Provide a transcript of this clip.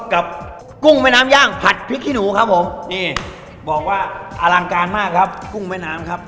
กุ้งแม่น้ำย่างผัดพริกขี้หนูครับผมนี่บอกว่าอลังการมากครับกุ้งแม่น้ำครับ